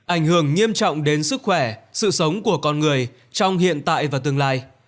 ảnh hưởng nghiêm trọng đến sức khỏe sự sống của con người trong hiện tại và tương lai